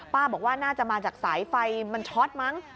บอกว่าน่าจะมาจากสายไฟมันช็อตมั้ง